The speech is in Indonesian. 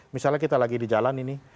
misalnya kita lagi di jalan ini